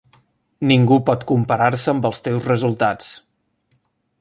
Ningú pot comparar-se amb els teus resultats.